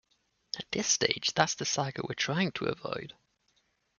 At this stage that's the saga we're trying to avoid.